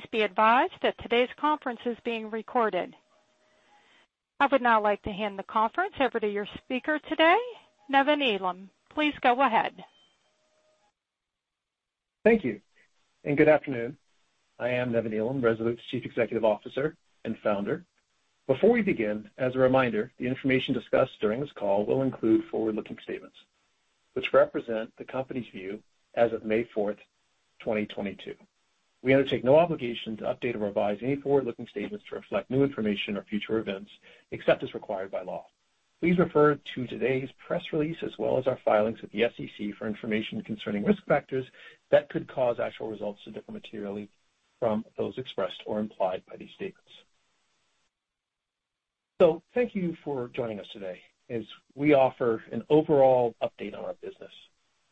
Please be advised that today's conference is being recorded. I would now like to hand the conference over to your speaker today, Nevan Elam. Please go ahead. Thank you and good afternoon. I am Nevan Elam, Rezolute's Chief Executive Officer and Founder. Before we begin, as a reminder, the information discussed during this call will include forward-looking statements which represent the company's view as of May 4th, 2022. We undertake no obligation to update or revise any forward-looking statements to reflect new information or future events, except as required by law. Please refer to today's press release, as well as our filings with the SEC for information concerning risk factors that could cause actual results to differ materially from those expressed or implied by these statements. Thank you for joining us today as we offer an overall update on our business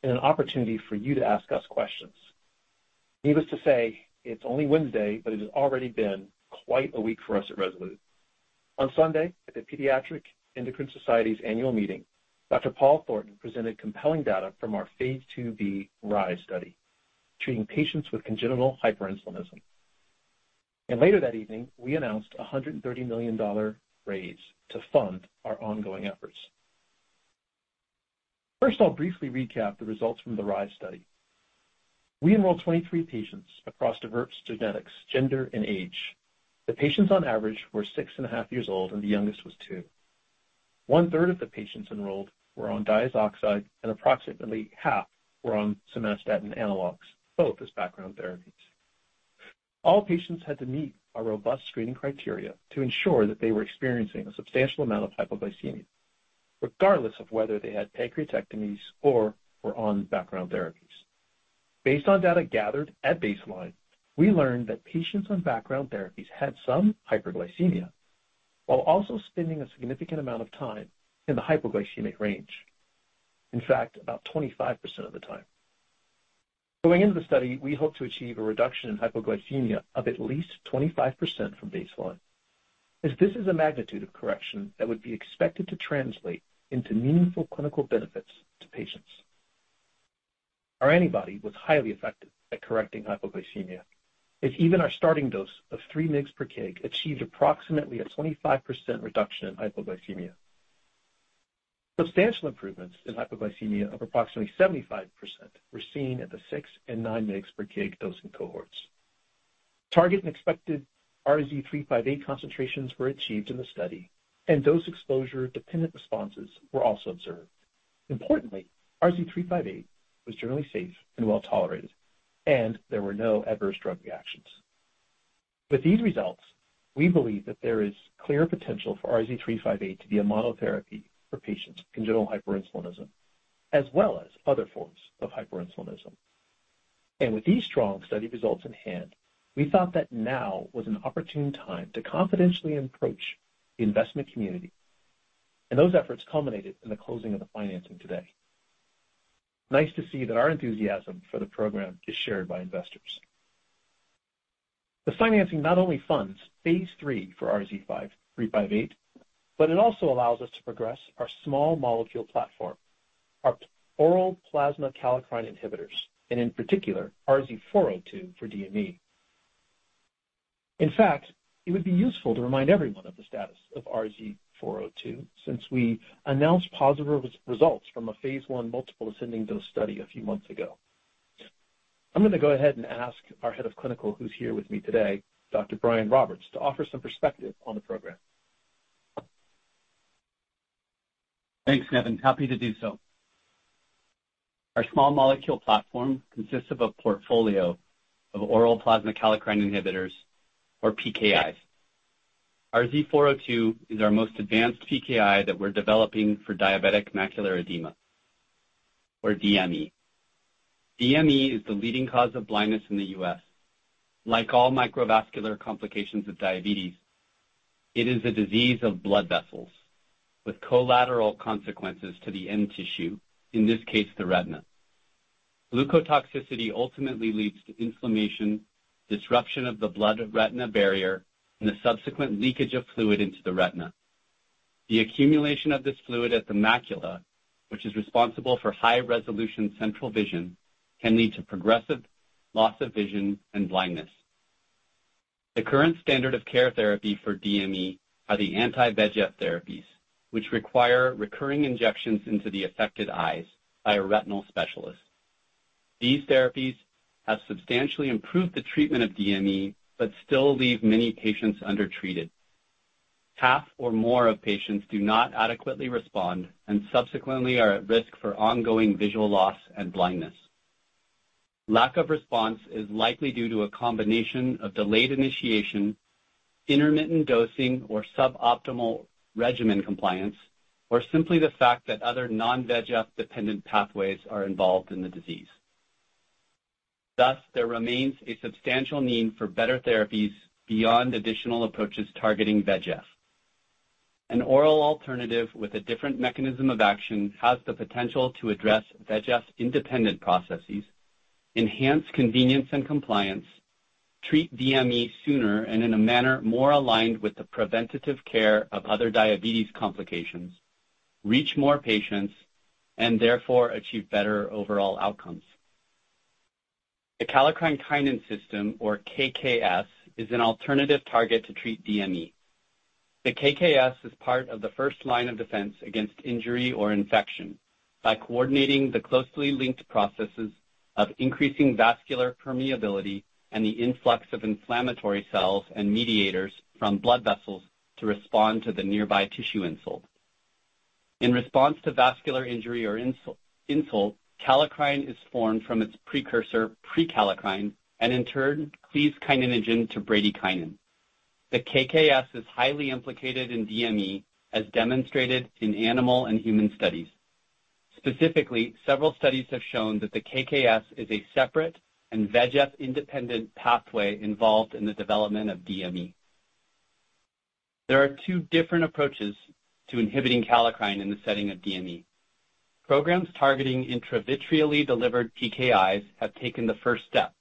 and an opportunity for you to ask us questions. Needless to say, it's only Wednesday, but it has already been quite a week for us at Rezolute. On Sunday, at the Pediatric Endocrine Society's annual meeting, Dr. Paul Thornton presented compelling data from our phase II-B RISE study, treating patients with congenital hyperinsulinism. Later that evening, we announced a $130 million raise to fund our ongoing efforts. First, I'll briefly recap the results from the RISE study. We enrolled 23 patients across diverse genetics, gender, and age. The patients on average were 6.5 years old, and the youngest was two. One third of the patients enrolled were on diazoxide, and approximately half were on somatostatin analogs, both as background therapies. All patients had to meet our robust screening criteria to ensure that they were experiencing a substantial amount of hypoglycemia, regardless of whether they had pancreatectomies or were on background therapies. Based on data gathered at baseline, we learned that patients on background therapies had some hyperglycemia, while also spending a significant amount of time in the hypoglycemic range. In fact, about 25% of the time. Going into the study, we hope to achieve a reduction in hypoglycemia of at least 25% from baseline, as this is a magnitude of correction that would be expected to translate into meaningful clinical benefits to patients. Our antibody was highly effective at correcting hypoglycemia, as even our starting dose of 3 mgs per kg achieved approximately a 25% reduction in hypoglycemia. Substantial improvements in hypoglycemia of approximately 75% were seen at the 6 and 9 mgs per kg dosing cohorts. Target and expected RZ358 concentrations were achieved in the study, and dose exposure dependent responses were also observed. Importantly, RZ358 was generally safe and well tolerated, and there were no adverse drug reactions. With these results, we believe that there is clear potential for RZ358 to be a monotherapy for patients with congenital hyperinsulinism, as well as other forms of hyperinsulinism. With these strong study results in hand, we thought that now was an opportune time to confidentially approach the investment community, and those efforts culminated in the closing of the financing today. Nice to see that our enthusiasm for the program is shared by investors. The financing not only funds phase III for RZ358, but it also allows us to progress our small molecule platform, our oral plasma kallikrein inhibitors, and in particular, RZ402 for DME. In fact, it would be useful to remind everyone of the status of RZ402 since we announced positive results from a phase I multiple ascending dose study a few months ago. I'm going to go ahead and ask our head of clinical, who's here with me today, Dr. Brian Roberts, to offer some perspective on the program. Thanks, Nevan. Happy to do so. Our small molecule platform consists of a portfolio of oral plasma kallikrein inhibitors or PKIs. RZ402 is our most advanced PKI that we're developing for diabetic macular edema or DME. DME is the leading cause of blindness in the U.S. Like all microvascular complications of diabetes, it is a disease of blood vessels with collateral consequences to the end tissue, in this case, the retina. Leukostasis ultimately leads to inflammation, disruption of the blood-retinal barrier, and the subsequent leakage of fluid into the retina. The accumulation of this fluid at the macula, which is responsible for high resolution central vision, can lead to progressive loss of vision and blindness. The current standard of care therapy for DME are the anti-VEGF therapies, which require recurring injections into the affected eyes by a retinal specialist. These therapies have substantially improved the treatment of DME, but still leave many patients undertreated. Half or more of patients do not adequately respond and subsequently are at risk for ongoing visual loss and blindness. Lack of response is likely due to a combination of delayed initiation, intermittent dosing or suboptimal regimen compliance, or simply the fact that other non-VEGF dependent pathways are involved in the disease. Thus, there remains a substantial need for better therapies beyond additional approaches targeting VEGF. An oral alternative with a different mechanism of action has the potential to address VEGF independent processes, enhance convenience and compliance, treat DME sooner and in a manner more aligned with the preventative care of other diabetes complications. Reach more patients and therefore achieve better overall outcomes. The kallikrein-kinin system, or KKS, is an alternative target to treat DME. The KKS is part of the first line of defense against injury or infection by coordinating the closely linked processes of increasing vascular permeability and the influx of inflammatory cells and mediators from blood vessels to respond to the nearby tissue insult. In response to vascular injury or insult, kallikrein is formed from its precursor prekallikrein and in turn cleaves kininogen to bradykinin. The KKS is highly implicated in DME as demonstrated in animal and human studies. Specifically, several studies have shown that the KKS is a separate and VEGF-independent pathway involved in the development of DME. There are two different approaches to inhibiting kallikrein in the setting of DME. Programs targeting intravitreally delivered PKIs have taken the first step.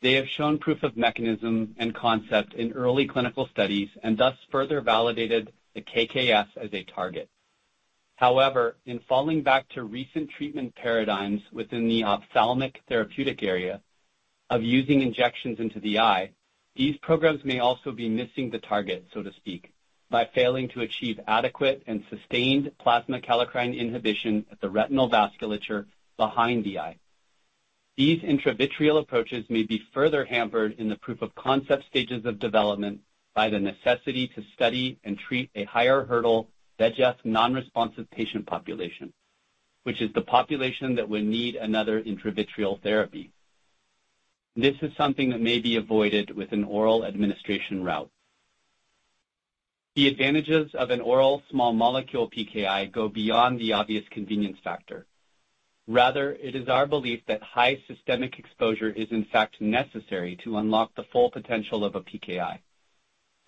They have shown proof of mechanism and concept in early clinical studies and thus further validated the KKS as a target. However, in falling back to recent treatment paradigms within the ophthalmic therapeutic area of using injections into the eye, these programs may also be missing the target, so to speak, by failing to achieve adequate and sustained plasma kallikrein inhibition at the retinal vasculature behind the eye. These intravitreal approaches may be further hampered in the proof of concept stages of development by the necessity to study and treat a higher hurdle VEGF non-responsive patient population, which is the population that would need another intravitreal therapy. This is something that may be avoided with an oral administration route. The advantages of an oral small molecule PKI go beyond the obvious convenience factor. Rather, it is our belief that high systemic exposure is in fact necessary to unlock the full potential of a PKI.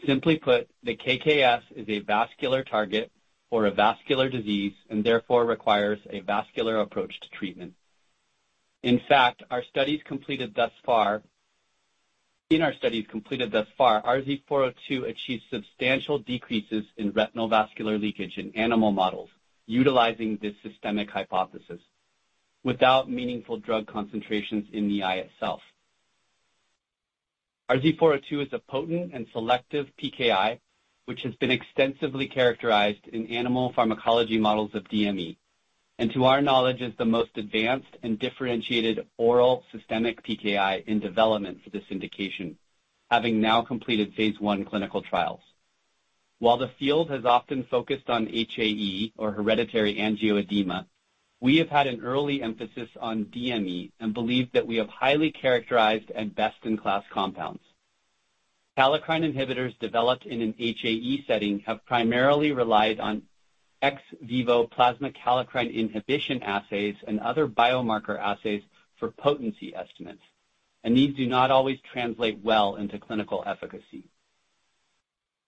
Simply put, the KKS is a vascular target for a vascular disease and therefore requires a vascular approach to treatment. In fact, in our studies completed thus far, RZ402 achieves substantial decreases in retinal vascular leakage in animal models utilizing this systemic hypothesis without meaningful drug concentrations in the eye itself. RZ402 is a potent and selective PKI, which has been extensively characterized in animal pharmacology models of DME, and to our knowledge, is the most advanced and differentiated oral systemic PKI in development for this indication, having now completed Phase 1 clinical trials. While the field has often focused on HAE, or hereditary angioedema, we have had an early emphasis on DME and believe that we have highly characterized and best-in-class compounds. Kallikrein inhibitors developed in an HAE setting have primarily relied on ex vivo plasma kallikrein inhibition assays and other biomarker assays for potency estimates, and these do not always translate well into clinical efficacy.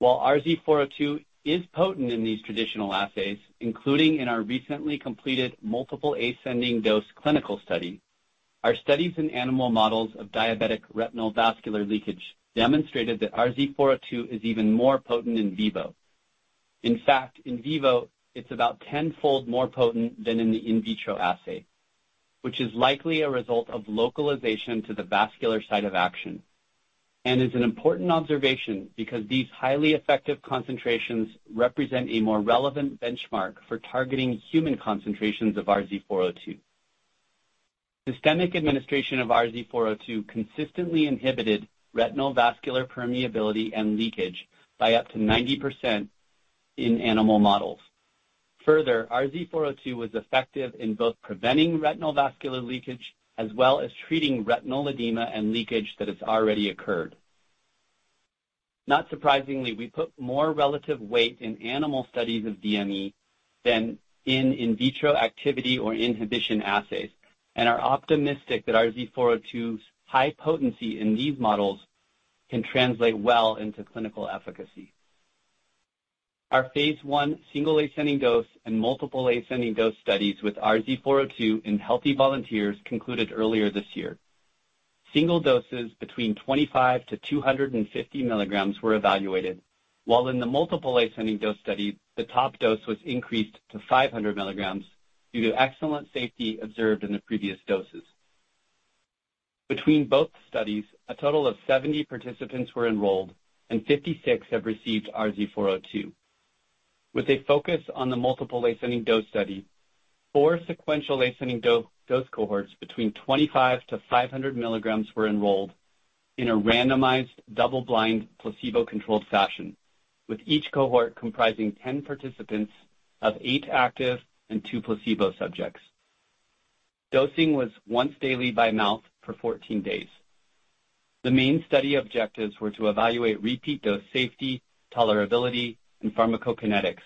While RZ402 is potent in these traditional assays, including in our recently completed multiple ascending dose clinical study, our studies in animal models of diabetic retinal vascular leakage demonstrated that RZ402 is even more potent in vivo. In fact, in vivo it's about tenfold more potent than in the in vitro assay, which is likely a result of localization to the vascular site of action, and is an important observation because these highly effective concentrations represent a more relevant benchmark for targeting human concentrations of RZ402. Systemic administration of RZ402 consistently inhibited retinal vascular permeability and leakage by up to 90% in animal models. Further, RZ402 was effective in both preventing retinal vascular leakage as well as treating retinal edema and leakage that has already occurred. Not surprisingly, we put more relative weight in animal studies of DME than in in vitro activity or inhibition assays and are optimistic that RZ402's high potency in these models can translate well into clinical efficacy. Our Phase 1 single ascending dose and multiple ascending dose studies with RZ402 in healthy volunteers concluded earlier this year. Single doses between 25-250 milligrams were evaluated, while in the multiple ascending dose study, the top dose was increased to 500 milligrams due to excellent safety observed in the previous doses. Between both studies, a total of 70 participants were enrolled and 56 have received RZ402. With a focus on the multiple ascending dose study, four sequential ascending dose cohorts between 25-500 milligrams were enrolled in a randomized, double-blind, placebo-controlled fashion, with each cohort comprising 10 participants of eight active and two placebo subjects. Dosing was once daily by mouth for 14 days. The main study objectives were to evaluate repeat dose safety, tolerability, and pharmacokinetics,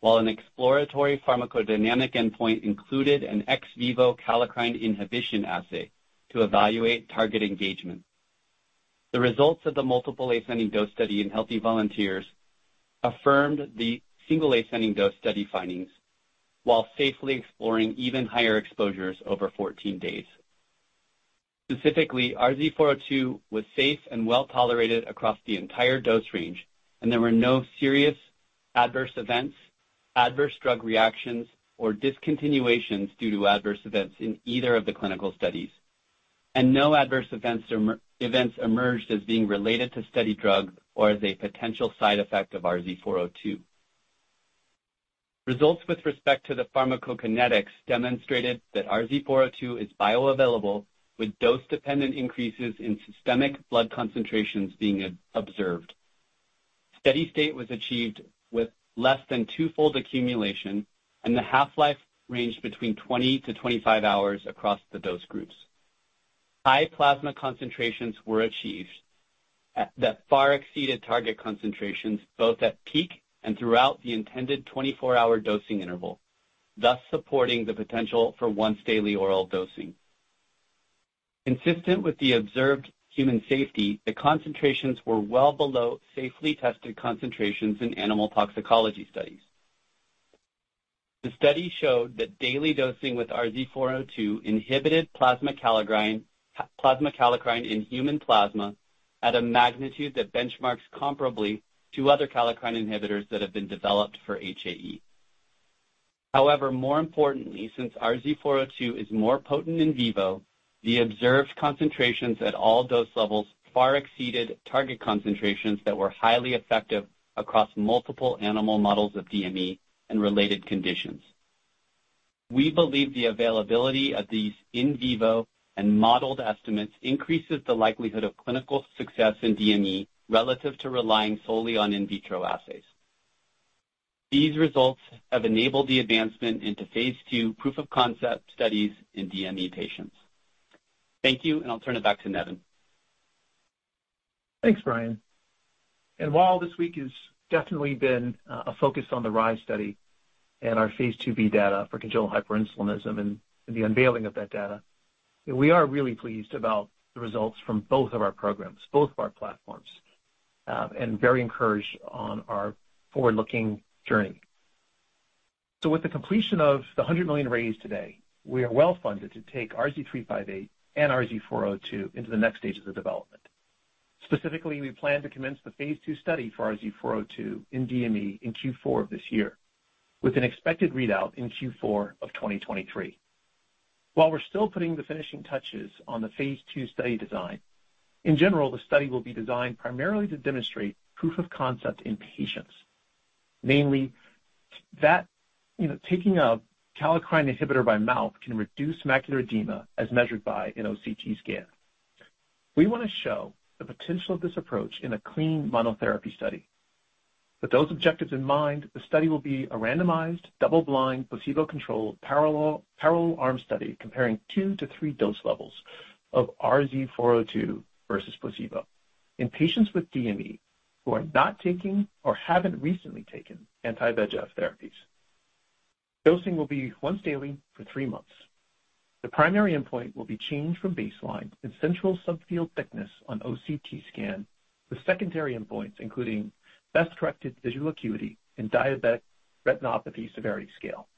while an exploratory pharmacodynamic endpoint included an ex vivo kallikrein inhibition assay to evaluate target engagement. The results of the multiple ascending dose study in healthy volunteers affirmed the single ascending dose study findings while safely exploring even higher exposures over 14 days. Specifically, RZ402 was safe and well tolerated across the entire dose range, and there were no serious adverse events, adverse drug reactions, or discontinuations due to adverse events in either of the clinical studies. No adverse events emerged as being related to study drug or as a potential side effect of RZ402. Results with respect to the pharmacokinetics demonstrated that RZ402 is bioavailable, with dose-dependent increases in systemic blood concentrations being observed. Steady state was achieved with less than two-fold accumulation, and the half-life ranged between 20-25 hours across the dose groups. High plasma concentrations were achieved that far exceeded target concentrations both at peak and throughout the intended 24-hour dosing interval, thus supporting the potential for once daily oral dosing. Consistent with the observed human safety, the concentrations were well below safely tested concentrations in animal toxicology studies. The study showed that daily dosing with RZ402 inhibited plasma kallikrein in human plasma at a magnitude that benchmarks comparably to other kallikrein inhibitors that have been developed for HAE. However, more importantly, since RZ402 is more potent in vivo, the observed concentrations at all dose levels far exceeded target concentrations that were highly effective across multiple animal models of DME and related conditions. We believe the availability of these in vivo and modeled estimates increases the likelihood of clinical success in DME relative to relying solely on in vitro assays. These results have enabled the advancement into Phase 2 proof of concept studies in DME patients. Thank you, and I'll turn it back to Nevan. Thanks, Brian. While this week has definitely been a focus on the RISE study and our Phase 2B data for congenital hyperinsulinism and the unveiling of that data, we are really pleased about the results from both of our programs, both of our platforms, and very encouraged on our forward-looking journey. With the completion of the $100 million raised today, we are well funded to take RZ358 and RZ402 into the next stage of the development. Specifically, we plan to commence the phase II study for RZ402 in DME in Q4 of this year, with an expected readout in Q4 of 2023. While we're still putting the finishing touches on the phase two study design, in general, the study will be designed primarily to demonstrate proof of concept in patients. Namely, that, you know, taking a kallikrein inhibitor by mouth can reduce macular edema as measured by an OCT scan. We wanna show the potential of this approach in a clean monotherapy study. With those objectives in mind, the study will be a randomized, double-blind, placebo-controlled parallel arm study comparing two to three dose levels of RZ402 versus placebo in patients with DME who are not taking or haven't recently taken anti-VEGF therapies. Dosing will be once daily for three months. The primary endpoint will be changed from baseline in central subfield thickness on OCT scan, with secondary endpoints including best-corrected visual acuity and diabetic retinopathy severity scale.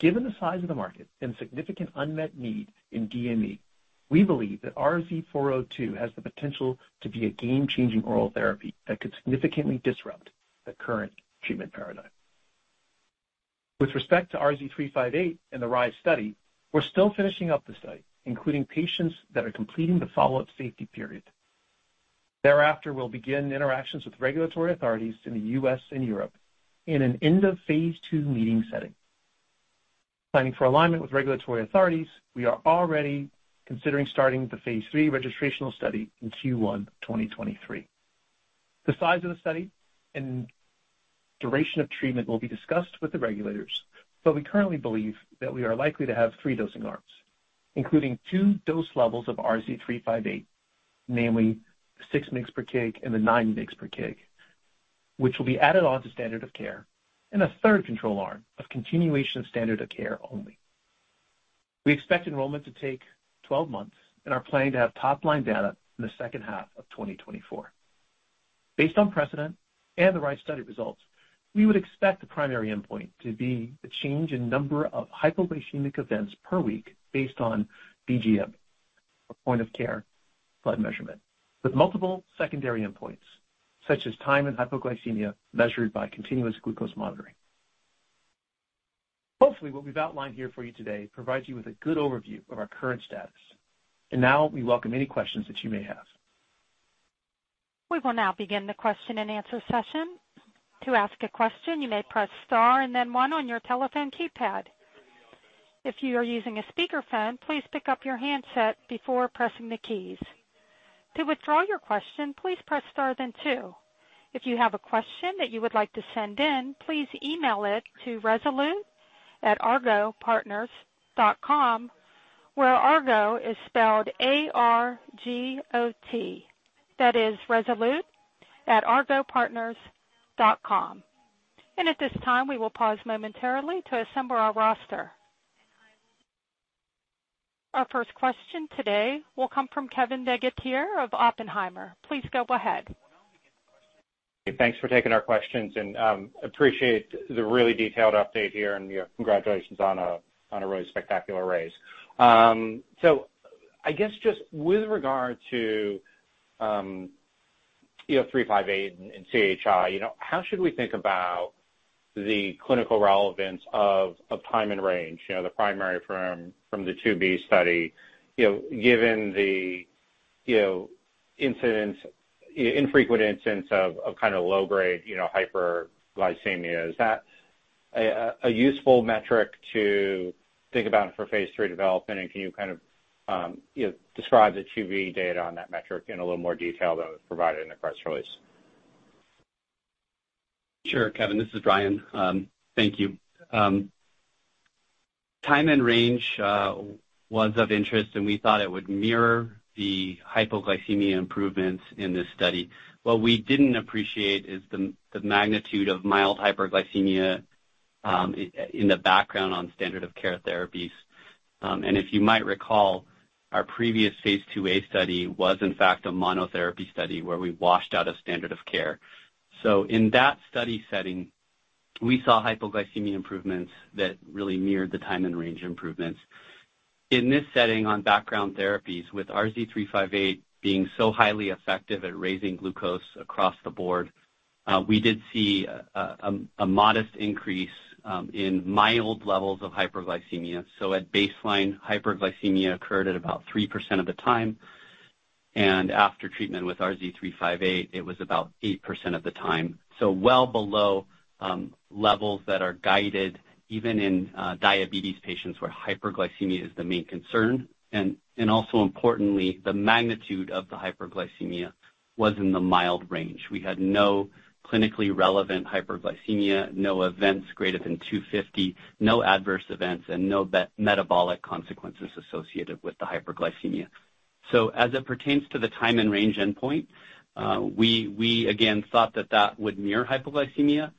Given the size of the market and significant unmet need in DME, we believe that RZ402 has the potential to be a game-changing oral therapy that could significantly disrupt the current treatment paradigm. With respect to RZ358 and the RISE study, we're still finishing up the study, including patients that are completing the follow-up safety period. Thereafter, we'll begin interactions with regulatory authorities in the U.S. and Europe in an end of phase II meeting setting. Planning for alignment with regulatory authorities, we are already considering starting the phase III registrational study in Q1 2023. The size of the study and duration of treatment will be discussed with the regulators, but we currently believe that we are likely to have three dosing arms, including two dose levels of RZ358, namely the 6 mg/kg and the 9 mg/kg, which will be added on to standard of care, and a third control arm of continuation of standard of care only. We expect enrollment to take 12 months and are planning to have top-line data in the H2 of 2024. Based on precedent and the RISE study results, we would expect the primary endpoint to be the change in number of hypoglycemic events per week based on BGM or point of care blood measurement, with multiple secondary endpoints such as time and hypoglycemia measured by continuous glucose monitoring. Hopefully, what we've outlined here for you today provides you with a good overview of our current status. Now we welcome any questions that you may have. We will now begin the question and answer session. To ask a question, you may press star and then one on your telephone keypad. If you are using a speakerphone, please pick up your handset before pressing the keys. To withdraw your question, please press star then two. If you have a question that you would like to send in, please email it to rezolute@argotpartners.com, where argot is spelled A-R-G-O-T. That is rezolute@argotpartners.com. At this time, we will pause momentarily to assemble our roster. Our first question today will come from Kevin DeGeeter of Oppenheimer. Please go ahead. Thanks for taking our questions and appreciate the really detailed update here, and you know, congratulations on a really spectacular race. So I guess just with regard to you know, 358 and CHI, you know, how should we think about the clinical relevance of time and range, you know, the primary from the II-B study, you know, given the infrequent incidence of kind of low grade you know, hyperglycemia. Is that a useful metric to think about for phase III development? And can you kind of you know, describe the II-B data on that metric in a little more detail than was provided in the press release? Sure, Kevin. This is Brian. Thank you. Time in range was of interest, and we thought it would mirror the hypoglycemia improvements in this study. What we didn't appreciate is the magnitude of mild hyperglycemia in the background on standard of care therapies. If you might recall, our previous phase II-A study was in fact a monotherapy study where we washed out a standard of care. In that study setting, we saw hypoglycemia improvements that really mirrored the time in range improvements. In this setting on background therapies, with RZ358 being so highly effective at raising glucose across the board, we did see a modest increase in mild levels of hyperglycemia. At baseline, hyperglycemia occurred at about 3% of the time, and after treatment with RZ358, it was about 8% of the time. Well below levels that are guided even in diabetes patients, where hyperglycemia is the main concern. Also importantly, the magnitude of the hyperglycemia was in the mild range. We had no clinically relevant hyperglycemia, no events greater than 250, no adverse events and no metabolic consequences associated with the hyperglycemia. As it pertains to the time and range endpoint, we again thought that would mirror hypoglycemia.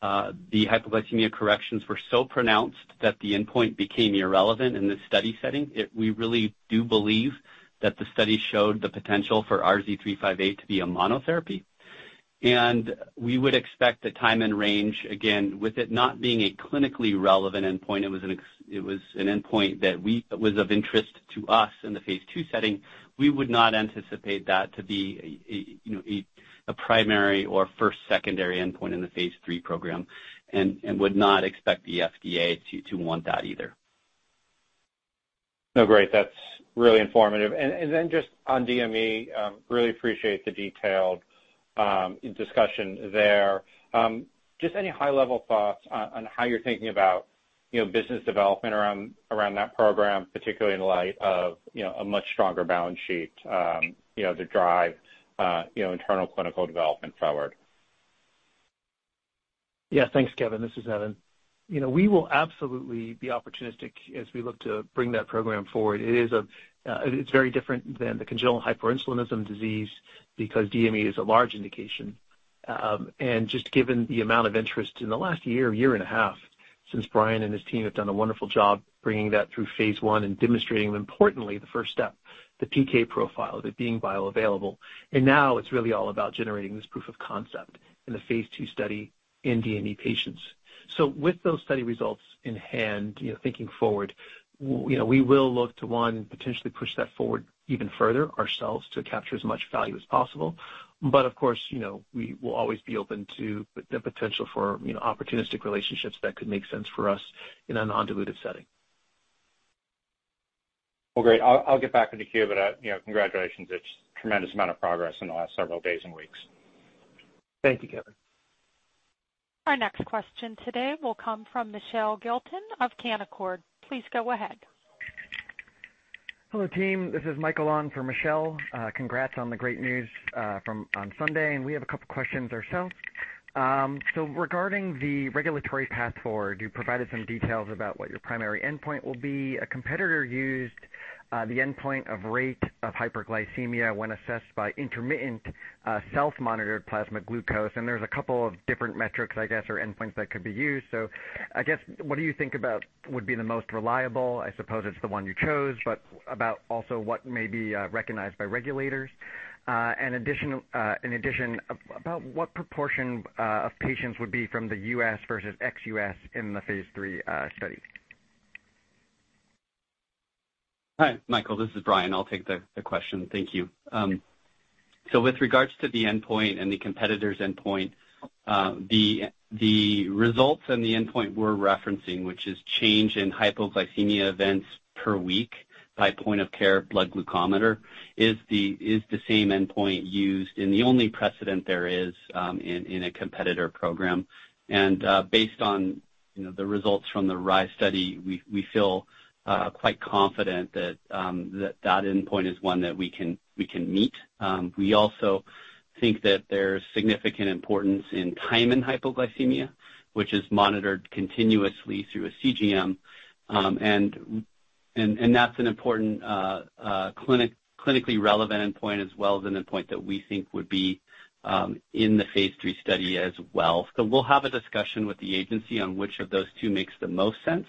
The hypoglycemia corrections were so pronounced that the endpoint became irrelevant in this study setting. We really do believe that the study showed the potential for RZ358 to be a monotherapy. We would expect the time and range, again, with it not being a clinically relevant endpoint, it was an endpoint that was of interest to us in the phase II setting. We would not anticipate that to be a you know a primary or secondary endpoint in the phase II program and would not expect the FDA to want that either. No, great. That's really informative. Then just on DME, really appreciate the detailed discussion there. Just any high-level thoughts on how you're thinking about, you know, business development around that program, particularly in light of, you know, a much stronger balance sheet, you know, to drive internal clinical development forward. Yeah. Thanks, Kevin. This is Nevan. You know, we will absolutely be opportunistic as we look to bring that program forward. It is a, it's very different than the congenital hyperinsulinism disease because DME is a large indication. Just given the amount of interest in the last year and a half, since Brian and his team have done a wonderful job bringing that through phase I and demonstrating importantly the first step, the PK profile, it being bioavailable. Now it's really all about generating this proof of concept in the phase II study in DME patients. With those study results in hand, you know, thinking forward, we, you know, we will look to one, potentially push that forward even further ourselves to capture as much value as possible. Of course, you know, we will always be open to the potential for, you know, opportunistic relationships that could make sense for us in a non-dilutive setting. Well, great. I'll get back into queue. You know, congratulations. It's tremendous amount of progress in the last several days and weeks. Thank you, Kevin. Our next question today will come from Michelle Gilson of Canaccord. Please go ahead. Hello, team. This is Michael on for Michelle. Congrats on the great news from Sunday, and we have a couple of questions ourselves. Regarding the regulatory path forward, you provided some details about what your primary endpoint will be. A competitor used the endpoint of rate of hyperglycemia when assessed by intermittent self-monitored plasma glucose, and there's a couple of different metrics, I guess, or endpoints that could be used. I guess, what do you think about would be the most reliable? I suppose it's the one you chose, but about also what may be recognized by regulators. In addition, about what proportion of patients would be from the US versus ex-US in the phase III study? Hi, Michelle. This is Brian. I'll take the question. Thank you. So with regards to the endpoint and the competitor's endpoint, the results and the endpoint we're referencing, which is change in hypoglycemia events per week by point of care blood glucometer, is the same endpoint used. The only precedent there is in a competitor program. Based on, you know, the results from the RISE study, we feel quite confident that that endpoint is one that we can meet. We also think that there's significant importance in time in hypoglycemia, which is monitored continuously through a CGM. And that's an important clinically relevant endpoint as well as an endpoint that we think would be in the phase III study as well. We'll have a discussion with the agency on which of those two makes the most sense,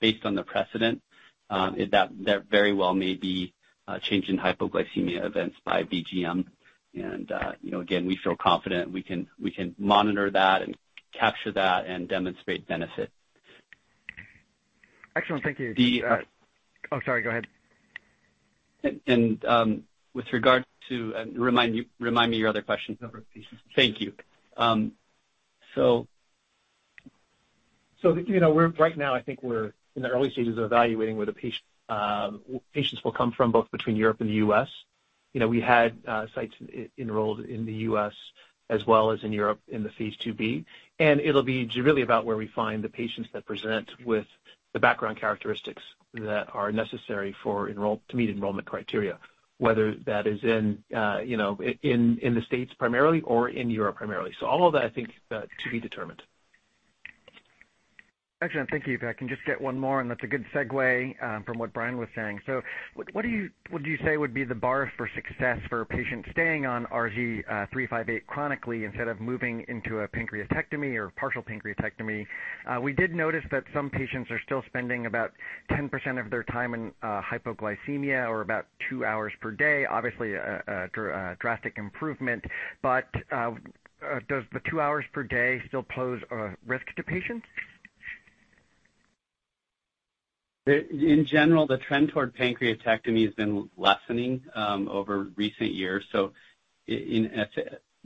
based on the precedent. That very well may be a change in hypoglycemia events by BGM. You know, again, we feel confident we can monitor that and capture that and demonstrate benefit. Excellent. Thank you. The, uh. Oh, sorry, go ahead. With regard to. Remind me your other question. Number of patients. Thank you. You know, we're right now, I think we're in the early stages of evaluating where the patient, patients will come from, both between Europe and the U.S. You know, we had sites enrolled in the U.S. as well as in Europe in the phase II=B. It'll be really about where we find the patients that present with the background characteristics that are necessary to meet enrollment criteria, whether that is in the States primarily or in Europe primarily. All of that, I think, to be determined. Excellent. Thank you. If I can just get one more, and that's a good segue from what Brian was saying. What do you say would be the bar for success for a patient staying on RZ358 chronically instead of moving into a pancreatectomy or partial pancreatectomy? We did notice that some patients are still spending about 10% of their time in hypoglycemia or about two hours per day. Obviously a drastic improvement, but does the two hours per day still pose a risk to patients? In general, the trend toward pancreatectomy has been lessening over recent years. In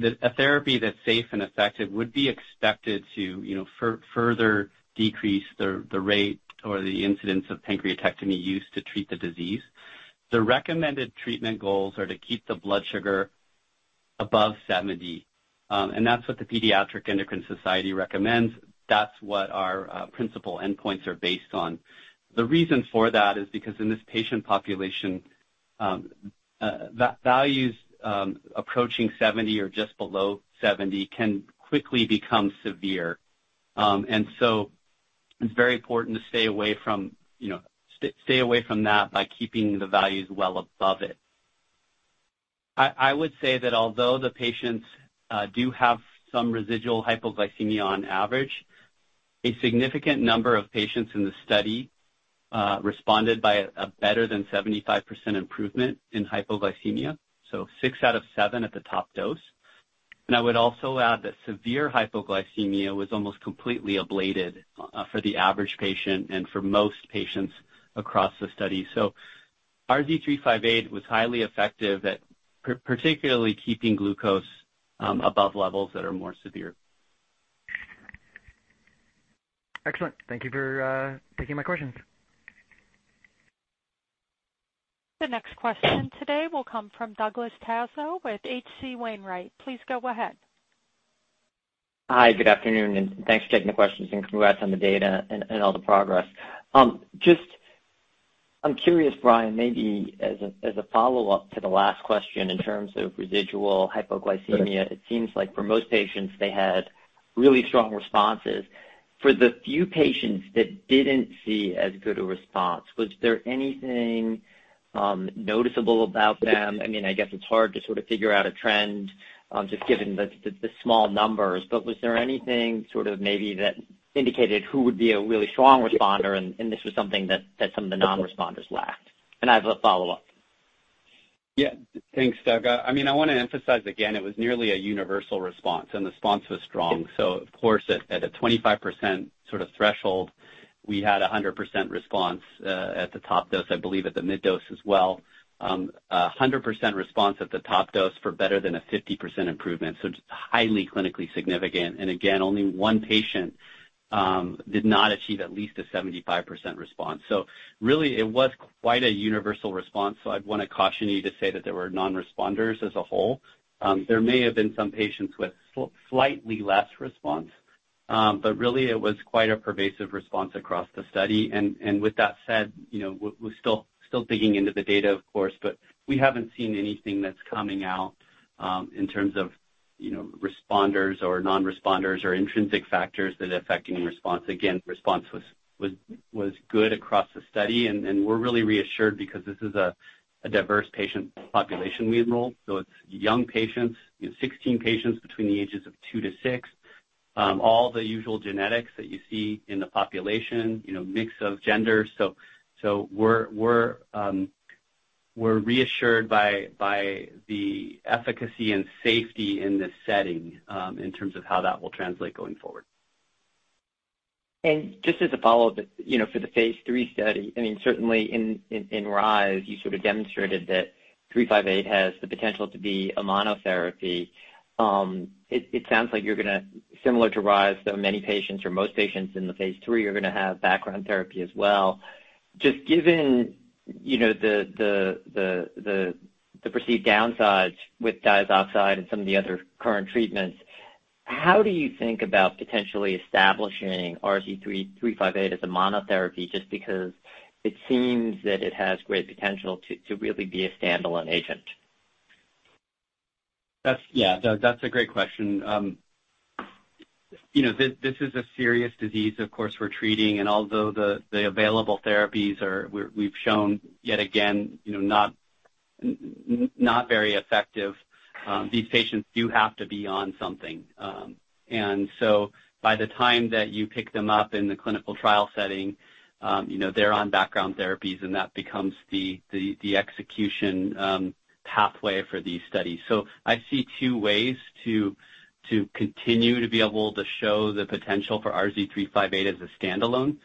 a therapy that's safe and effective would be expected to, you know, further decrease the rate or the incidence of pancreatectomy used to treat the disease. The recommended treatment goals are to keep the blood sugar above 70. That's what the Pediatric Endocrine Society recommends. That's what our principal endpoints are based on. The reason for that is because in this patient population, values approaching 70 or just below 70 can quickly become severe. It's very important to stay away from, you know, stay away from that by keeping the values well above it. I would say that although the patients do have some residual hypoglycemia on average, a significant number of patients in the study responded by a better than 75% improvement in hypoglycemia, so six out of seven at the top dose. I would also add that severe hypoglycemia was almost completely ablated for the average patient and for most patients across the study. RZ358 was highly effective at particularly keeping glucose above levels that are more severe. Excellent. Thank you for taking my questions. The next question today will come from Douglas Tsao with H.C. Wainwright. Please go ahead. Hi. Good afternoon, and thanks for taking the questions and congrats on the data and all the progress. Just, I'm curious, Brian, maybe as a follow-up to the last question in terms of residual hypoglycemia. Sure. It seems like for most patients, they had really strong responses. For the few patients that didn't see as good a response, was there anything noticeable about them? I mean, I guess it's hard to sort of figure out a trend just given the small numbers. But was there anything sort of maybe that indicated who would be a really strong responder and this was something that some of the non-responders lacked? I have a follow-up. Yeah. Thanks, Doug. I mean, I wanna emphasize, again, it was nearly a universal response, and the response was strong. Of course, at a 25% sort of threshold, we had a 100% response at the top dose, I believe at the mid dose as well. A 100% response at the top dose for better than a 50% improvement. Just highly clinically significant. Again, only one patient did not achieve at least a 75% response. Really it was quite a universal response. I'd wanna caution you to say that there were non-responders as a whole. There may have been some patients with slightly less response, but really it was quite a pervasive response across the study. With that said, you know, we're still digging into the data of course, but we haven't seen anything that's coming out in terms of, you know, responders or non-responders or intrinsic factors that are affecting response. Again, response was good across the study and we're really reassured because this is a diverse patient population we enrolled. It's young patients, you know, 16 patients between the ages of 2-6. All the usual genetics that you see in the population, you know, mix of gender. We're reassured by the efficacy and safety in this setting in terms of how that will translate going forward. Just as a follow-up, you know, for the phase III study, I mean, certainly in RISE, you sort of demonstrated that RZ358 has the potential to be a monotherapy. It sounds like you're gonna, similar to RISE, so many patients or most patients in the phase 3 are gonna have background therapy as well. Just given, you know, the perceived downsides with diazoxide and some of the other current treatments, how do you think about potentially establishing RZ358 as a monotherapy just because it seems that it has great potential to really be a standalone agent? Yeah, that's a great question. You know, this is a serious disease, of course, we're treating. Although the available therapies are, we've shown yet again, you know, not very effective, these patients do have to be on something. By the time that you pick them up in the clinical trial setting, you know, they're on background therapies and that becomes the execution pathway for these studies. I see two ways to continue to be able to show the potential for RZ358 as a standalone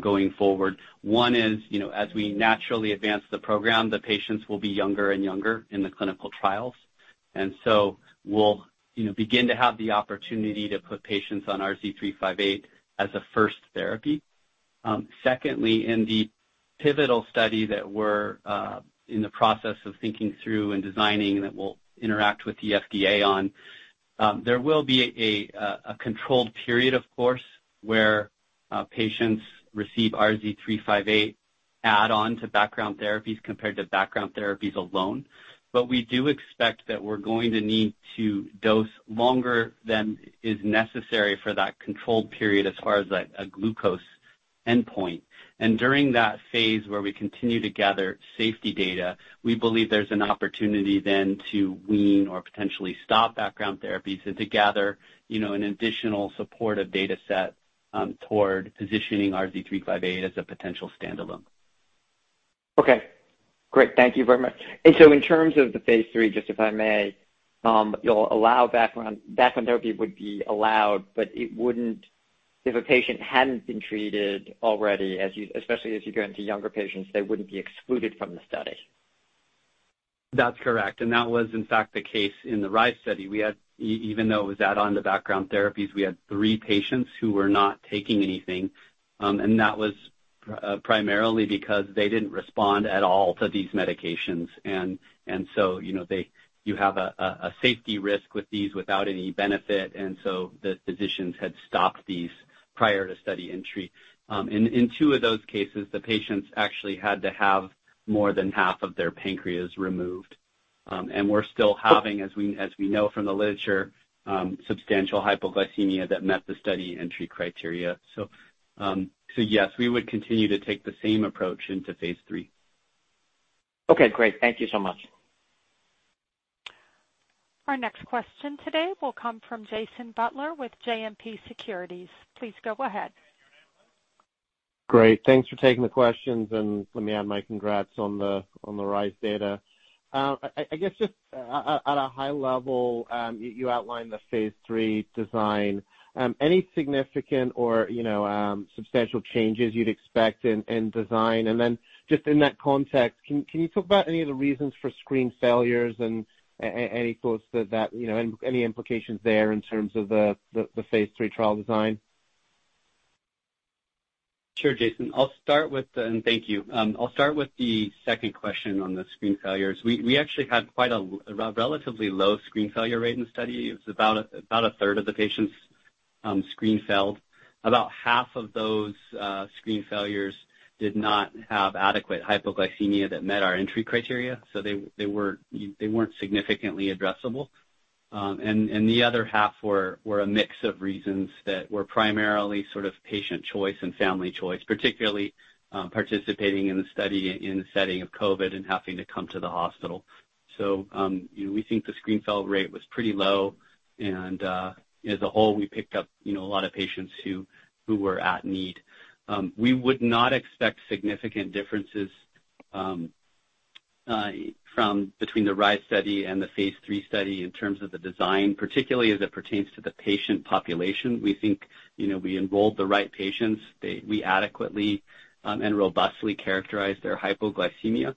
going forward. One is, you know, as we naturally advance the program, the patients will be younger and younger in the clinical trials. We'll, you know, begin to have the opportunity to put patients on RZ358 as a first therapy. Secondly, in the pivotal study that we're in the process of thinking through and designing that we'll interact with the FDA on, there will be a controlled period, of course, where patients receive RZ358 add-on to background therapies compared to background therapies alone. We do expect that we're going to need to dose longer than is necessary for that controlled period as far as a glucose endpoint. During that phase where we continue to gather safety data, we believe there's an opportunity then to wean or potentially stop background therapies and to gather, you know, an additional supportive data set toward positioning RZ358 as a potential standalone. Okay, great. Thank you very much. In terms of the phase III, just if I may, background therapy would be allowed, but it wouldn't if a patient hadn't been treated already, especially as you go into younger patients, they wouldn't be excluded from the study. That's correct. That was in fact the case in the RISE study. Even though it was add-on to background therapies, we had three patients who were not taking anything, and that was primarily because they didn't respond at all to these medications. You know, you have a safety risk with these without any benefit. The physicians had stopped these prior to study entry. In two of those cases, the patients actually had to have more than half of their pancreas removed. We're still having, as we know from the literature, substantial hypoglycemia that met the study entry criteria. Yes, we would continue to take the same approach into phase III. Okay, great. Thank you so much. Our next question today will come from Jason Butler with JMP Securities. Please go ahead. Great. Thanks for taking the questions, and let me add my congrats on the RISE data. I guess just at a high level, you outlined the phase III design. Any significant or you know substantial changes you'd expect in design? And then just in that context, can you talk about any of the reasons for screen failures and any thoughts on that, you know any implications there in terms of the phase III trial design? Sure, Jason. Thank you. I'll start with the second question on the screen failures. We actually had quite a relatively low screen failure rate in the study. It was about a third of the patients screen failed. About half of those screen failures did not have adequate hypoglycemia that met our entry criteria, so they weren't significantly addressable. The other half were a mix of reasons that were primarily sort of patient choice and family choice, particularly participating in the study in the setting of COVID and having to come to the hospital. You know, we think the screen fail rate was pretty low, and as a whole, we picked up you know, a lot of patients who were at need. We would not expect significant differences from between the RISE study and the phase three study in terms of the design, particularly as it pertains to the patient population. We think, you know, we enrolled the right patients. We adequately and robustly characterized their hypoglycemia.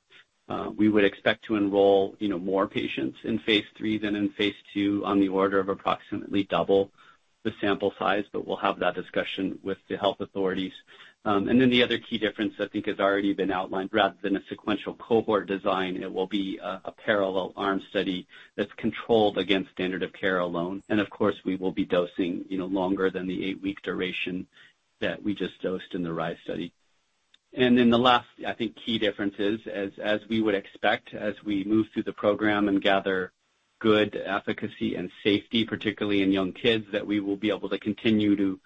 We would expect to enroll, you know, more patients in phase III than in phase II on the order of approximately double the sample size, but we'll have that discussion with the health authorities. The other key difference I think has already been outlined. Rather than a sequential cohort design, it will be a parallel arm study that's controlled against standard of care alone. Of course, we will be dosing, you know, longer than the eight-week duration that we just dosed in the RISE study. The last, I think, key difference is, as we would expect, as we move through the program and gather good efficacy and safety, particularly in young kids, that we will be able to continue to,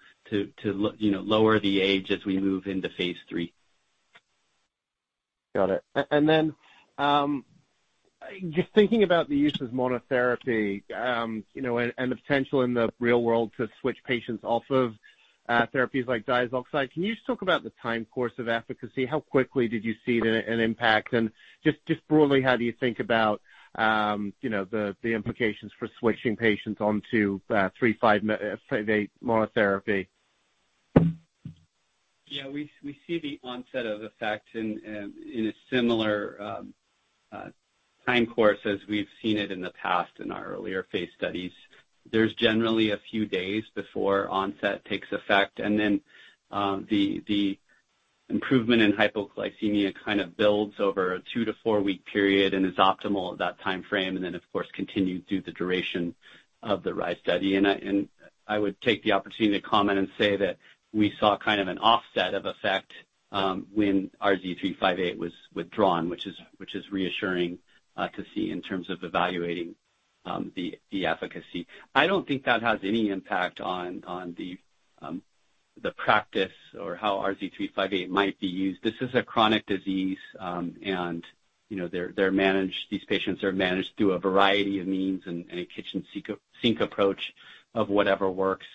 you know, lower the age as we move into phase III. Got it. Then, just thinking about the use of monotherapy, you know, and the potential in the real world to switch patients off of therapies like diazoxide, can you just talk about the time course of efficacy? How quickly did you see an impact? Just broadly, how do you think about, you know, the implications for switching patients onto RZ358 monotherapy? Yeah. We see the onset of effect in a similar time course as we've seen it in the past in our earlier phase studies. There's generally a few days before onset takes effect, and then the improvement in hypoglycemia kind of builds over a two- to four week period and is optimal at that timeframe, and then of course continues through the duration of the RISE study. I would take the opportunity to comment and say that we saw kind of an offset of effect when RZ358 was withdrawn, which is reassuring to see in terms of evaluating the efficacy. I don't think that has any impact on the practice or how RZ358 might be used. This is a chronic disease, and, you know, they're managed, these patients are managed through a variety of means and a kitchen sink approach of whatever works.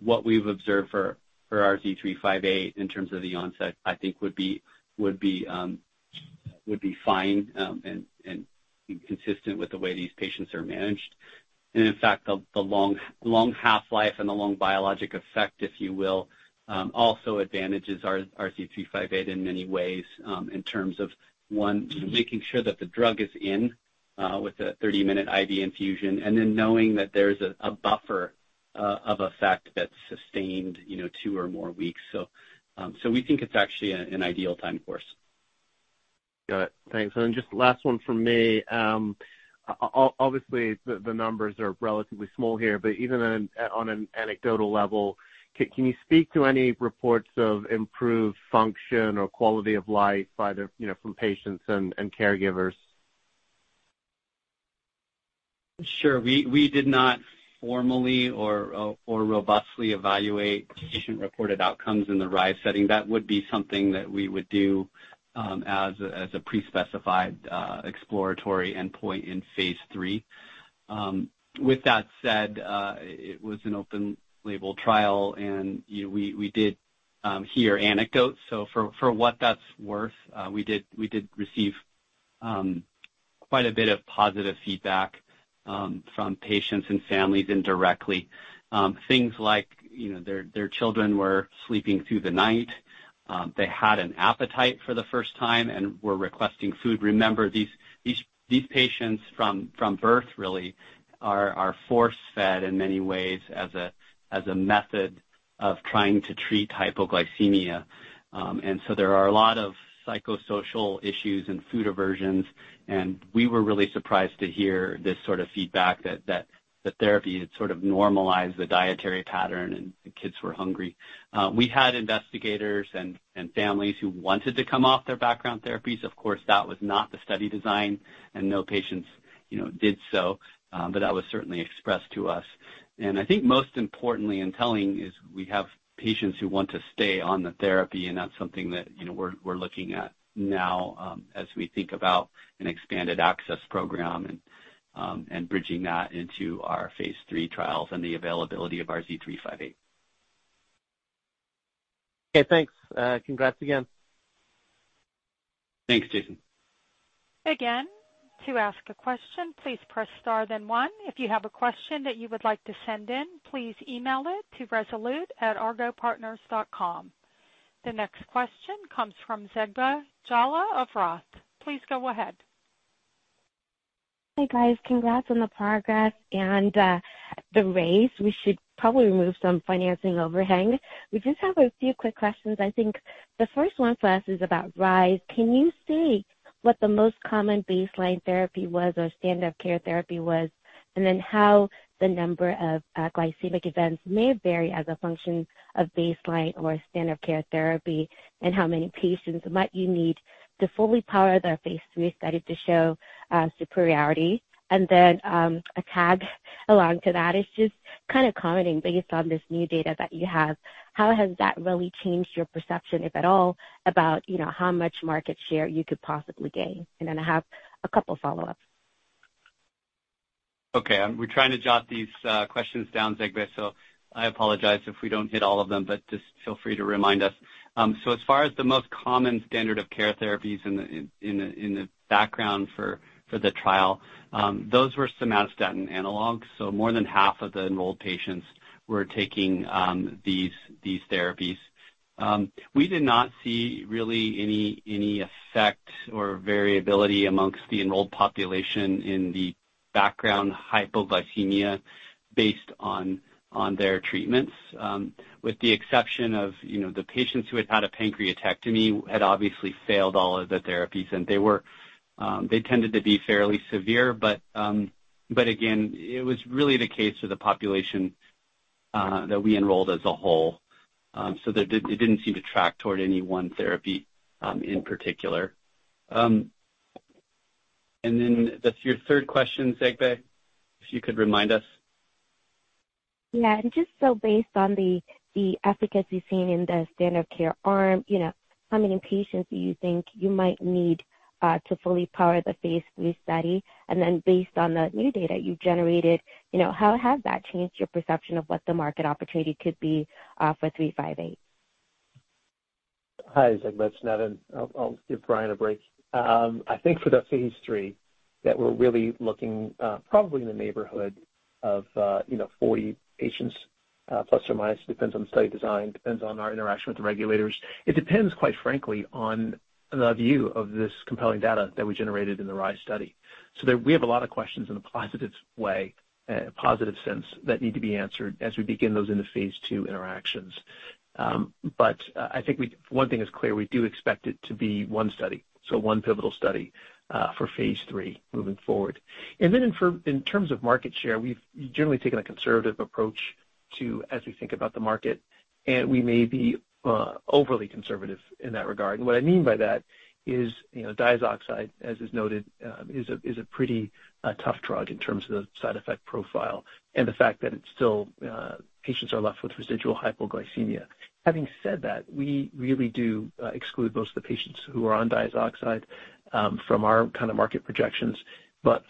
What we've observed for our RZ358 in terms of the onset, I think would be fine and consistent with the way these patients are managed. In fact, the long half-life and the long biologic effect, if you will, also advantages our RZ358 in many ways, in terms of one, making sure that the drug is in with a 30-minute IV infusion, and then knowing that there's a buffer of effect that's sustained, you know, two or more weeks. We think it's actually an ideal time course. Got it. Thanks. Just last one from me. Obviously, the numbers are relatively small here, but even on an anecdotal level, can you speak to any reports of improved function or quality of life by the, you know, from patients and caregivers? Sure. We did not formally or robustly evaluate patient-reported outcomes in the RISE setting. That would be something that we would do as a pre-specified exploratory endpoint in phase III. With that said, it was an open label trial, and you know, we did hear anecdotes. For what that's worth, we did receive quite a bit of positive feedback from patients and families indirectly. Things like, you know, their children were sleeping through the night, they had an appetite for the first time and were requesting food. Remember, these patients from birth really are force-fed in many ways as a method of trying to treat hypoglycemia. There are a lot of psychosocial issues and food aversions, and we were really surprised to hear this sort of feedback that the therapy had sort of normalized the dietary pattern and the kids were hungry. We had investigators and families who wanted to come off their background therapies. Of course, that was not the study design and no patients, you know, did so. That was certainly expressed to us. I think most importantly in telling is we have patients who want to stay on the therapy, and that's something that, you know, we're looking at now, as we think about an expanded access program and bridging that into our phase three trials and the availability of our RZ358. Okay, thanks. Congrats again. Thanks, Jason. Again, to ask a question, please press star then one. If you have a question that you would like to send in, please email it to rezolute@argotpartners.com. The next question comes from Zegbeh Jallah of Roth. Please go ahead. Hey, guys. Congrats on the progress and the raise. We should probably remove some financing overhang. We just have a few quick questions. I think the first one for us is about RISE. Can you state what the most common baseline therapy was or standard care therapy was, and then how the number of glycemic events may vary as a function of baseline or standard care therapy, and how many patients might you need to fully power the phase III study to show superiority? And then a tag along to that is just kinda commenting based on this new data that you have, how has that really changed your perception, if at all, about, you know, how much market share you could possibly gain? And then I have a couple follow-ups. Okay. We're trying to jot these questions down, Zegbeh, so I apologize if we don't hit all of them, but just feel free to remind us. As far as the most common standard of care therapies in the background for the trial, those were somatostatin analogs. More than half of the enrolled patients were taking these therapies. We did not see really any effect or variability among the enrolled population in the background hypoglycemia based on their treatments. With the exception of, you know, the patients who had a pancreatectomy had obviously failed all of the therapies, and they were, they tended to be fairly severe. Again, it was really the case for the population that we enrolled as a whole. It didn't seem to track toward any one therapy in particular. That's your third question, Zegbeh, if you could remind us. Yeah. Just so based on the efficacy seen in the standard care arm, you know, how many patients do you think you might need to fully power the phase III study? Based on the new data you generated, you know, how has that changed your perception of what the market opportunity could be for 358? Hi, Zegbeh. It's Nevan. I'll give Brian a break. I think for the phase three that we're really looking, probably in the neighborhood of, you know, 40 patients, plus or minus, depends on the study design, depends on our interaction with the regulators. It depends, quite frankly, on the view of this compelling data that we generated in the RISE study. We have a lot of questions in a positive way, a positive sense that need to be answered as we begin those into phase two interactions. I think one thing is clear, we do expect it to be one study. One pivotal study for phase III moving forward. In terms of market share, we've generally taken a conservative approach to, as we think about the market, and we may be overly conservative in that regard. What I mean by that is, you know, diazoxide, as is noted, is a pretty tough drug in terms of side effect profile and the fact that it's still patients are left with residual hypoglycemia. Having said that, we really do exclude most of the patients who are on diazoxide from our kind of market projections.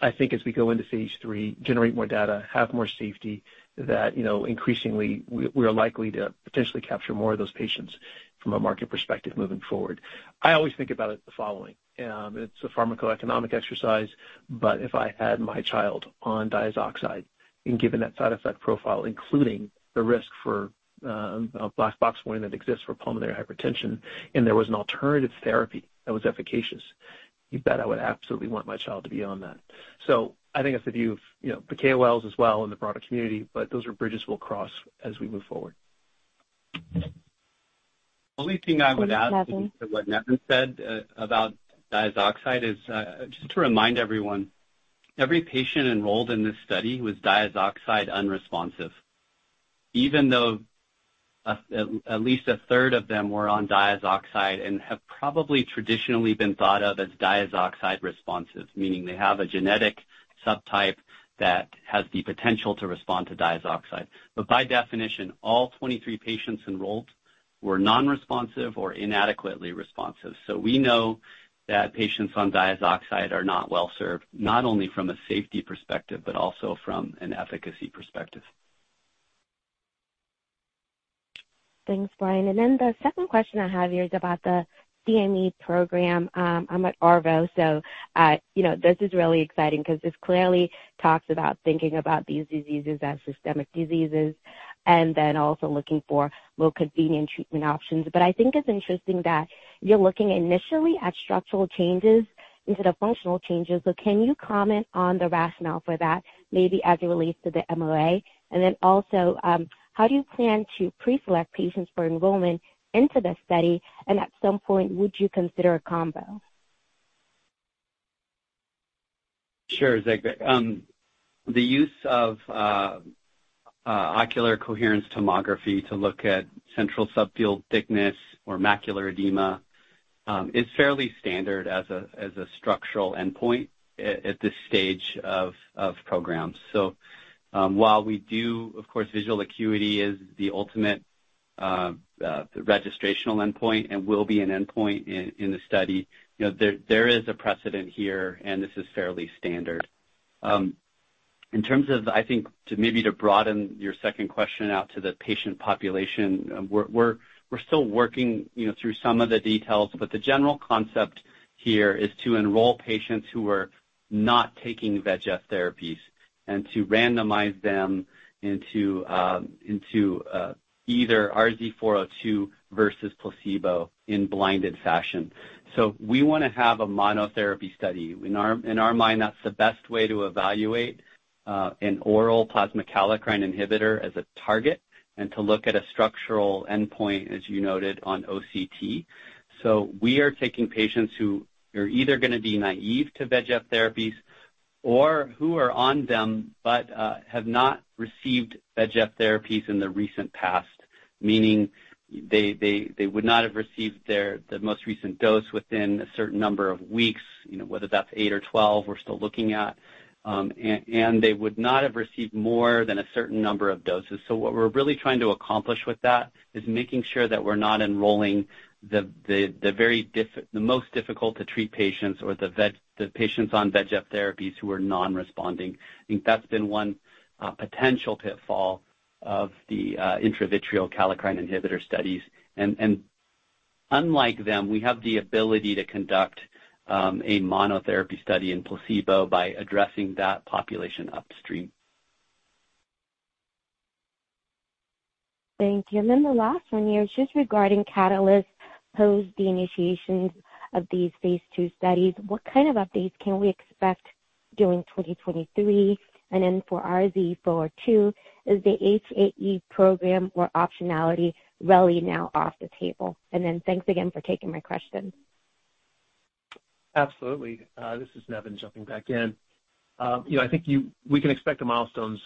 I think as we go into phase III generate more data, have more safety, that, you know, increasingly we are likely to potentially capture more of those patients from a market perspective moving forward. I always think about it the following. It's a pharmacoeconomic exercise, but if I had my child on diazoxide and given that side effect profile, including the risk for a black box warning that exists for pulmonary hypertension, and there was an alternative therapy that was efficacious, you bet I would absolutely want my child to be on that. I think that's the view of, you know, the KOLs as well and the broader community, but those are bridges we'll cross as we move forward. Only thing I would add. Thank you, Nevan. To what Nevan said about diazoxide is, just to remind everyone, every patient enrolled in this study was diazoxide unresponsive. Even though at least a third of them were on diazoxide and have probably traditionally been thought of as diazoxide responsive, meaning they have a genetic subtype that has the potential to respond to diazoxide. By definition, all 23 patients enrolled were non-responsive or inadequately responsive. We know that patients on diazoxide are not well served, not only from a safety perspective, but also from an efficacy perspective. Thanks, Brian. The second question I have here is about the DME program. I'm at ARVO, so, you know, this is really exciting because this clearly talks about thinking about these diseases as systemic diseases and then also looking for more convenient treatment options. I think it's interesting that you're looking initially at structural changes instead of functional changes. Can you comment on the rationale for that, maybe as it relates to the MOA? How do you plan to pre-select patients for enrollment into the study, and at some point, would you consider a combo? Sure, Zeg. The use of optical coherence tomography to look at central subfield thickness or macular edema is fairly standard as a structural endpoint at this stage of programs. While we do, of course, visual acuity is the ultimate registrational endpoint and will be an endpoint in the study. You know, there is a precedent here, and this is fairly standard. In terms of, I think to maybe broaden your second question out to the patient population, we're still working, you know, through some of the details. The general concept here is to enroll patients who are not taking VEGF therapies and to randomize them into either RZ402 versus placebo in blinded fashion. We wanna have a monotherapy study. In our mind, that's the best way to evaluate an oral plasma kallikrein inhibitor as a target and to look at a structural endpoint, as you noted, on OCT. We are taking patients who are either gonna be naive to VEGF therapies or who are on them, but have not received VEGF therapies in the recent past. Meaning they would not have received the most recent dose within a certain number of weeks, you know, whether that's eight or 12, we're still looking at. And they would not have received more than a certain number of doses. What we're really trying to accomplish with that is making sure that we're not enrolling the very difficult to treat patients or the patients on VEGF therapies who are non-responding. I think that's been one potential pitfall of the intravitreal kallikrein inhibitor studies. Unlike them, we have the ability to conduct a monotherapy study in placebo by addressing that population upstream. Thank you. The last one here is just regarding catalysts post the initiations of these phase II studies. What kind of updates can we expect during 2023? For RZ402, is the HAE program or optionality really now off the table? Thanks again for taking my question. Absolutely. This is Nevan jumping back in. You know, I think we can expect the milestones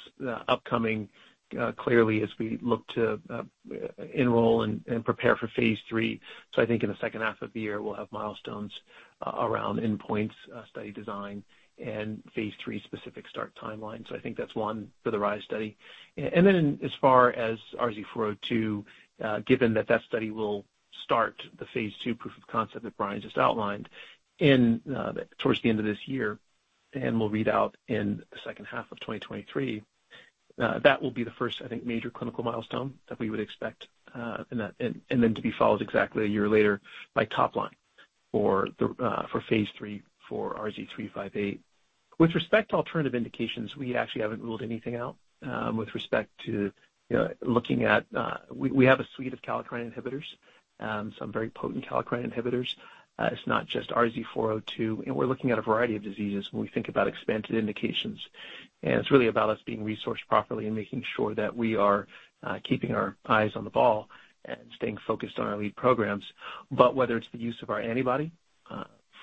upcoming, clearly as we look to enroll and prepare for phase III. I think in the H2 of the year, we'll have milestones around endpoints, study design and phase III specific start timelines. I think that's one for the RISE study. And then as far as RZ402, given that that study will start the phase II proof of concept that Brian just outlined towards the end of this year and will read out in the H2 of 2023, that will be the first, I think, major clinical milestone that we would expect in that. Then to be followed exactly a year later by top line for phase III for RZ358. With respect to alternative indications, we actually haven't ruled anything out, with respect to, you know, looking at, we have a suite of kallikrein inhibitors, some very potent kallikrein inhibitors. It's not just RZ402. We're looking at a variety of diseases when we think about expanded indications. It's really about us being resourced properly and making sure that we are keeping our eyes on the ball and staying focused on our lead programs. Whether it's the use of our antibody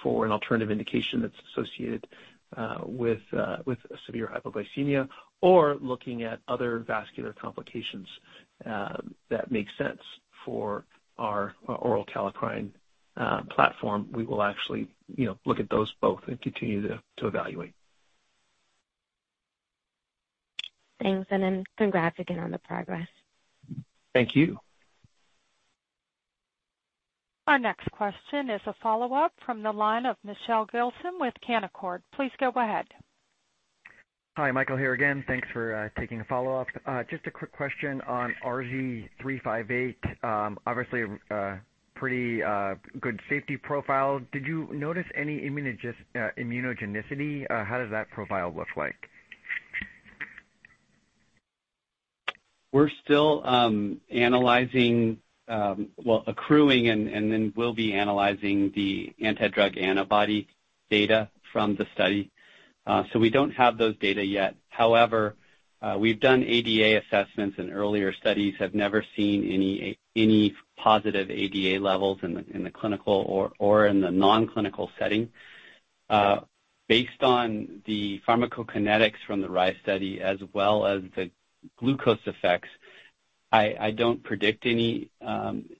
for an alternative indication that's associated with severe hypoglycemia or looking at other vascular complications that make sense for our oral kallikrein inhibitor. Platform, we will actually, you know, look at those both and continue to evaluate. Thanks, and then congrats again on the progress. Thank you. Our next question is a follow-up from the line of Michelle Gilson with Canaccord. Please go ahead. Hi, Michael here again. Thanks for taking a follow-up. Just a quick question on RZ358. Obviously a pretty good safety profile. Did you notice any immunogenicity? How does that profile look like? We're still analyzing. Well, accruing and then we'll be analyzing the anti-drug antibody data from the study. We don't have those data yet. However, we've done ADA assessments in earlier studies, have never seen any positive ADA levels in the clinical or in the non-clinical setting. Based on the pharmacokinetics from the RISE study as well as the glucose effects, I don't predict any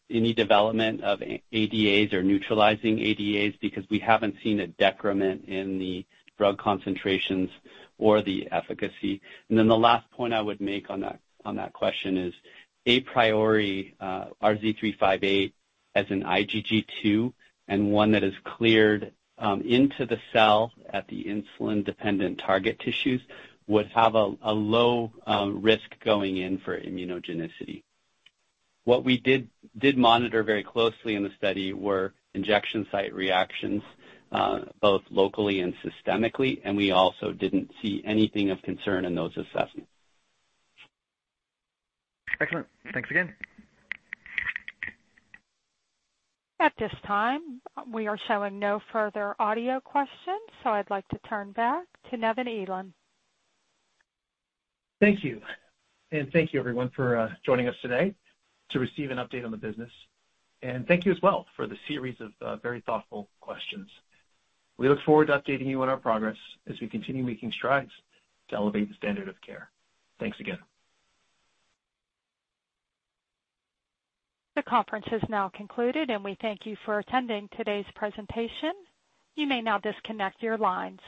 development of ADAs or neutralizing ADAs because we haven't seen a decrement in the drug concentrations or the efficacy. Then the last point I would make on that question is a priori, RZ358 as an IgG2 and one that is cleared into the cell at the insulin-dependent target tissues, would have a low risk going in for immunogenicity. What we did monitor very closely in the study were injection site reactions, both locally and systemically, and we also didn't see anything of concern in those assessments. Excellent. Thanks again. At this time, we are showing no further audio questions, so I'd like to turn back to Nevan Elam. Thank you. Thank you everyone for joining us today to receive an update on the business. Thank you as well for the series of very thoughtful questions. We look forward to updating you on our progress as we continue making strides to elevate the standard of care. Thanks again. The conference has now concluded, and we thank you for attending today's presentation. You may now disconnect your lines.